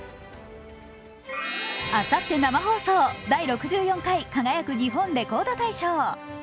あさって生放送「第６４回輝く！日本レコード大賞」。